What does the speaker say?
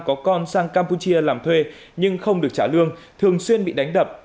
có con sang campuchia làm thuê nhưng không được trả lương thường xuyên bị đánh đập